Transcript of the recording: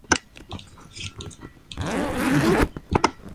Se usa para endulzar ciertos tipos de pasteles y galletas.